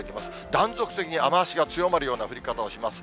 断続的に雨足が強まるような降り方をします。